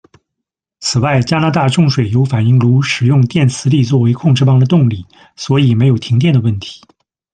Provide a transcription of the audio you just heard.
此外，加拿大重水铀反应炉使用电磁力作为控制棒的动力，所以没有停电的问题。